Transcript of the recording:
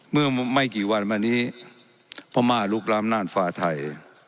เมื่อไม่กี่วันมานี้พ่อมารุกรามนานฟาไทย